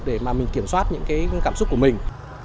để kiểm soát những cảm xúc của mình